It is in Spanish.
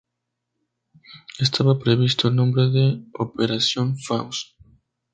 Estaba previsto el nombre de Operación Faust.